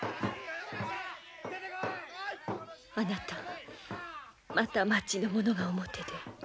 ・あなたまた町の者が表で。